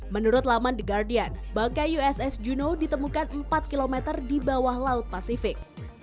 menurut laman the guardian bangkai uss geno ditemukan empat km di bawah laut pasifik